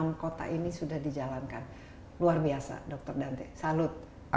enam major jadi ini ada enam kota yang biasanya kalau orang betul betul maratoner profesional itu ada enam kota